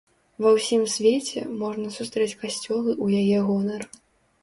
Ва ўсім свеце, можна сустрэць касцёлы ў яе гонар.